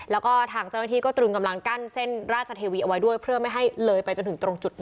แล้วก็ทางเจ้าหน้าที่ก็ตรึงกำลังกั้นเส้นราชเทวีเอาไว้ด้วยเพื่อไม่ให้เลยไปจนถึงตรงจุดนี้